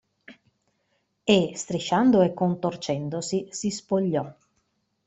E, strisciando e contorcendosi, si spogliò.